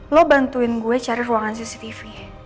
lo bantuin gue cari ruangan cctv